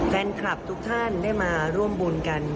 แฟนคลับทุกท่านได้มาร่วมบุญกัน